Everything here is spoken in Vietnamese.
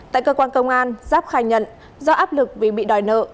tại cơ quan công an giáp khai nhận do áp lực vì bị đòi nợ